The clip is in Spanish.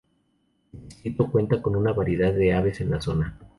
El distrito cuenta con una variedad de aves en la zona.